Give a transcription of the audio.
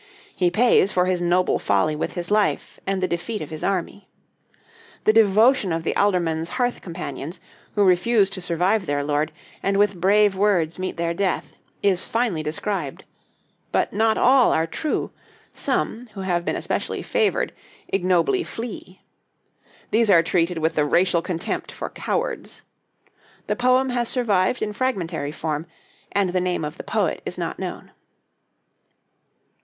He pays for his noble folly with his life and the defeat of his army. The devotion of the Aldorman's hearth companions, who refuse to survive their lord, and with brave words meet their death, is finely described. But not all are true; some, who have been especially favored, ignobly flee. These are treated with the racial contempt for cowards. The poem has survived in fragmentary form, and the name of the poet is not known.